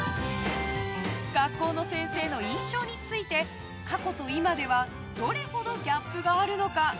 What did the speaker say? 学校の先生の印象について過去と今ではどれほどギャップがあるのか？